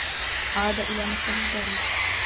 عاد إلى مكتب البريد.